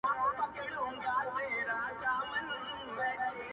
قاسم یار وایي خاونده ټول جهان راته شاعر کړ,